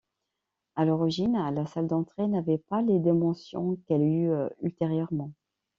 À l'origine, la salle d'entrée n'avait pas les dimensions qu'elle eut ultérieurement.